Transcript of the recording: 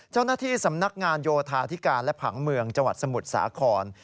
เจ้าหน้าที่สำนักงานโยธาธิการและผังเมืองจังหวัดสมุทรสาคร